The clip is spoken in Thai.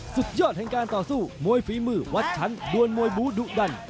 สุดยอดแห่งการต่อสู้มวยฝีมือวัดชั้นดวนมวยบูดุดัน